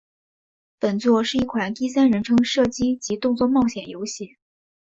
本作是一款第三人称射击及动作冒险游戏。